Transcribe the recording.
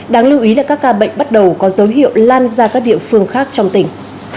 đáng lưu ý là các ca bệnh bắt đầu có dấu hiệu lan ra các địa phương khác trong tỉnh